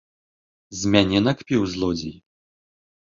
З мяне накпіў, злодзей!